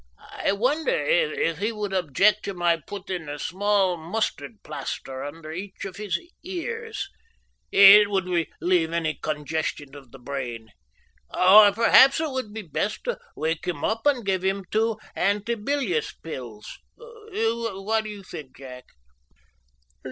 "I wonder if he would object to my putting a small mustard plaster under each of his ears. It would relieve any congestion of the brain. Or perhaps it would be best to wake him up and give him two antibilious pills. What do you think, Jack?"